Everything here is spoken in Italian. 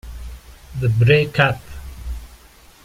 The Break-Up